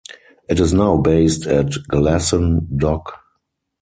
It is now based at Glasson Dock.